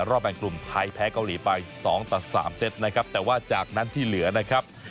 แบ่งกลุ่มไทยแพ้เกาหลีไปสองต่อสามเซตนะครับแต่ว่าจากนั้นที่เหลือนะครับ